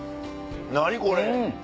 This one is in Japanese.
何これ！